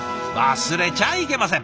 忘れちゃいけません！